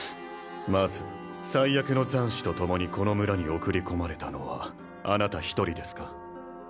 まず災厄の残滓とともにこの村に送り込まれたのはあなた１人ですか？